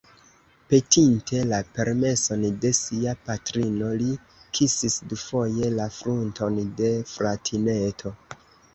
Petinte la permeson de sia patrino, li kisis dufoje la frunton de fratineto.